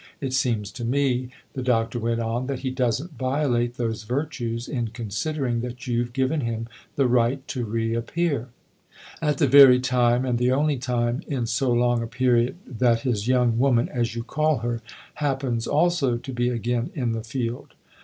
It seems to me," the Doctor went on, " that he doesn't violate those virtues in considering that you've given him the right to reappear." " At the very time, and the only time, in so long a period that his young woman, as you call her, happens also to be again in the field